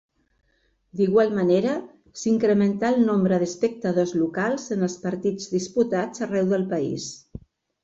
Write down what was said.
D'igual manera, s'incrementà el nombre d'espectadors locals en els partits disputats arreu del país.